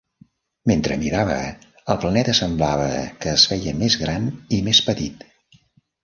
Mentre mirava, el planeta semblava que es feia més gran i més petit.